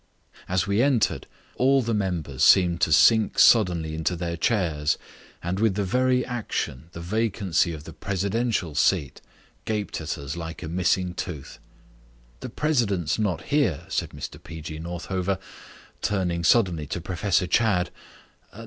As we entered, all the members seemed to sink suddenly into their chairs, and with the very action the vacancy of the presidential seat gaped at us like a missing tooth. "The president's not here," said Mr P. G. Northover, turning suddenly to Professor Chadd.